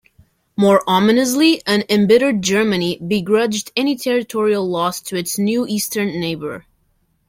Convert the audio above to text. More ominously, an embittered Germany begrudged any territorial loss to its new eastern neighbour.